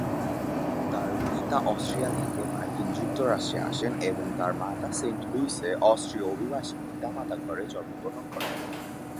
তার পিতা অস্ট্রিয়া থেকে মার্কিন যুক্তরাষ্ট্রে আসেন এবং তার মাতা সেন্ট লুইসে অস্ট্রীয় অভিবাসী পিতামাতা ঘরে জন্মগ্রহণ করেন।